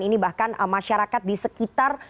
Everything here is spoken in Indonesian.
ini bahkan masyarakat di sekitar